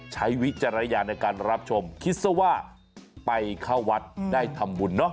วิจารณญาณในการรับชมคิดซะว่าไปเข้าวัดได้ทำบุญเนอะ